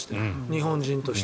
日本人として。